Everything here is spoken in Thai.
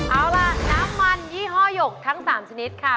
เอาล่ะน้ำมันยี่ห้อยกทั้ง๓ชนิดค่ะ